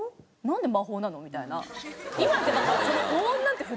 なんで魔法なの？みたいな。